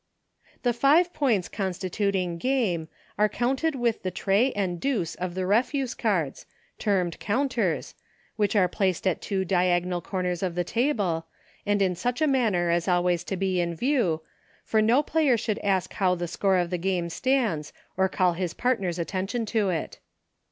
The five points constituting game are counted with the tray and deuce of the refuse cards, termed counters, which are placed at two diagonal corners of the table, and in such a manner as always to be in view, for no player should ask how the score of the 42 EUCHRE. game stands, or call his partner's attention to it.